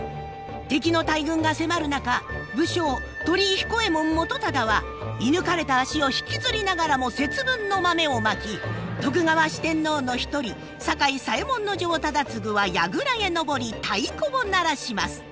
敵の大軍が迫る中武将鳥居彦右衛門元忠は射ぬかれた足を引きずりながらも節分の豆をまき徳川四天王の一人酒井左衛門尉忠次は櫓へ上り太鼓を鳴らします。